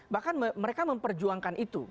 bahkan mereka memperjuangkan itu